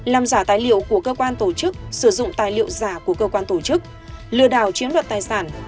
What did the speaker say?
làm giả tài liệu của cơ quan tổ chức sử dụng tài liệu giả của cơ quan tổ chức lừa đảo chiếm đoạt tài sản